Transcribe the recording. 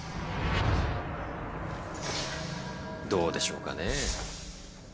どうでしょうかねえ。